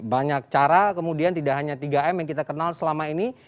banyak cara kemudian tidak hanya tiga m yang kita kenal selama ini